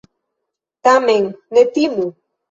Tamen ne timu!